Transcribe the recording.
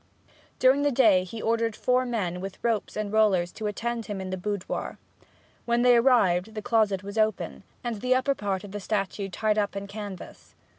During the day he ordered four men with ropes and rollers to attend him in the boudoir. When they arrived, the closet was open, and the upper part of the statue tied up in canvas.